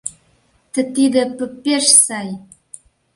Т-тиде п-пеш сай...